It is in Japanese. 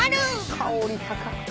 香り高くて。